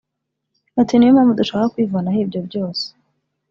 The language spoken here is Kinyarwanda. Ati ”Ni yo mpamvu dushaka kwivanaho ibyo byose